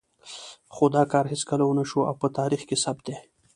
خو دا کار هېڅکله ونه شو او په تاریخ کې ثبت دی.